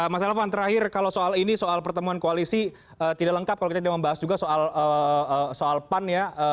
mas elvan terakhir kalau soal ini soal pertemuan koalisi tidak lengkap kalau kita tidak membahas juga soal pan ya